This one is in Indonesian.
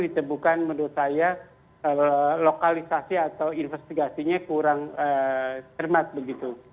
ditemukan menurut saya lokalisasi atau investigasinya kurang cermat begitu